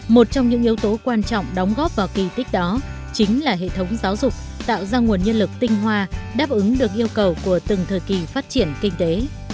một trong những yếu tố quan trọng đóng góp vào kỳ tích đó chính là hệ thống giáo dục tạo ra nguồn nhân lực tinh hoa đáp ứng được yêu cầu của từng thời kỳ phát triển kinh tế